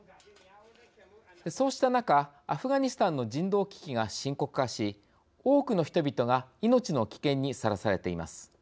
そうした中アフガニスタンの人道危機が深刻化し多くの人々が命の危険にさらされています。